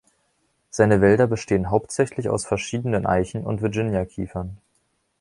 Seine Wälder bestehen hauptsächlich aus verschiedenen Eichen und Virginia-Kiefern.